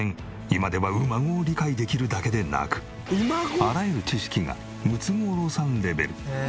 今では馬語を理解できるだけでなくあらゆる知識がムツゴロウさんレベル。